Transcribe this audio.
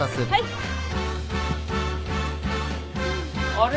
あれ？